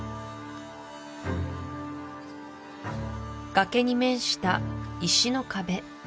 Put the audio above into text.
崖に面した石の壁